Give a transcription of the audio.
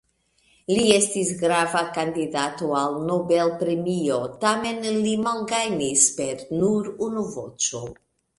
Li estis grava kandidato al Nobel-premio tamen li malgajnis per nur unu voĉo.